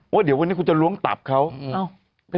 ว่าเดี๋ยววันนี้คุณจะล้วงตับเขา